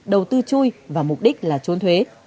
đầu tư chui và mục đích là trôn thuế